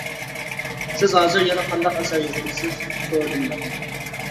-سىز ھازىر يەنە قانداق ئەسەر يېزىۋاتىسىز؟ -سورىدىم مەن.